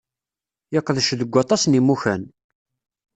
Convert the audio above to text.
Yeqdec deg waṭas n yimukan.